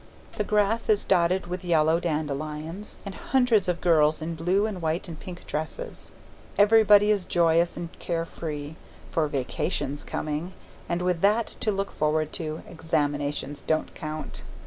The grass is dotted with yellow dandelions and hundreds of girls in blue and white and pink dresses. Everybody is joyous and carefree, for vacation's coming, and with that to look forward to, examinations don't count.